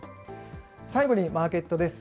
最後にマーケットです。